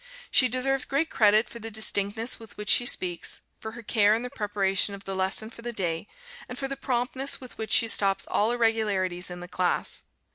She deserves great credit for the distinctness with which she speaks, for her care in the preparation of the lesson for the day, and for the promptness with which she stops all irregularities in the class.